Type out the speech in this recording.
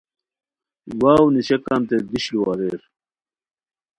واؤ نیشاکانتے دیش لو اریر